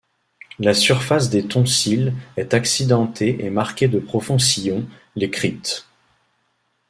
La surface des tonsilles est accidentée et marquée de profonds sillons, les cryptes.